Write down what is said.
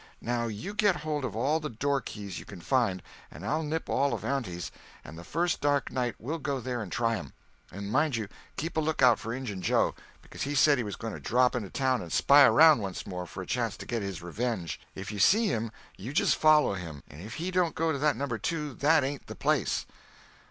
Now you get hold of all the doorkeys you can find, and I'll nip all of auntie's, and the first dark night we'll go there and try 'em. And mind you, keep a lookout for Injun Joe, because he said he was going to drop into town and spy around once more for a chance to get his revenge. If you see him, you just follow him; and if he don't go to that No. 2, that ain't the place."